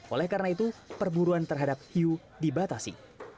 oleh karena itu perburuan terhadap hiu dibatasi